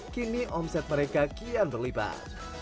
kini omset mereka kian berlipat